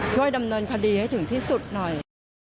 ช่วยดำเนินคดีให้ถึงที่สุดหน่อย